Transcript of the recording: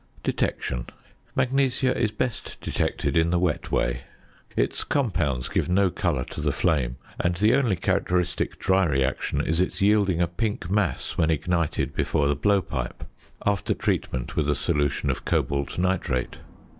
~Detection.~ Magnesia is best detected in the wet way. Its compounds give no colour to the flame, and the only characteristic dry reaction is its yielding a pink mass when ignited before the blowpipe (after treatment with a solution of cobalt nitrate).